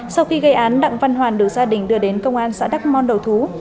sau khi gây án đặng văn hoàn được gia đình đưa đến công an xã đắk môn đầu thú